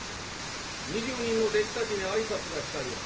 ２０人の弟子たちに挨拶がしたいわ」。